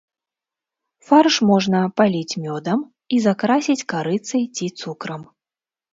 Фарш можна паліць мёдам і закрасіць карыцай ці цукрам.